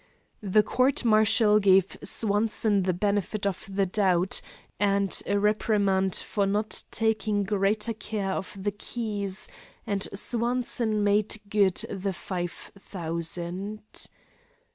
The court martial gave Swanson the benefit of the doubt, and a reprimand for not taking greater care of the keys, and Swanson made good the five thousand.